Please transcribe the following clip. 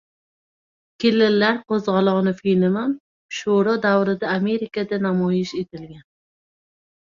“Kelinlar qo‘zg‘oloni” filmim sho‘ro davrida Amerikada namoyish etilgan.